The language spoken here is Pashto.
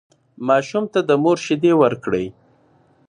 ماشوم ته د مور شیدې ورکړئ.